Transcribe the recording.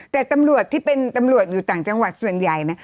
แต่ตำรวจที่เป็นตำรวจอยู่ต่างจังหวัดส่วนใหญ่นะ